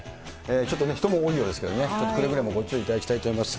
ちょっとね、人も多いようですけれどもね、ちょっとくれぐれもご注意いただきたいと思います。